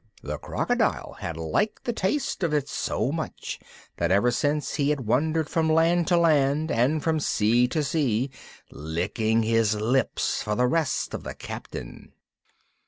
The crocodile had liked the taste of it so much that ever since he had wandered from land to land and from sea to sea licking his lips for the rest of the Captain.